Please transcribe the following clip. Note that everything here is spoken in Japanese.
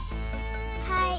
はい！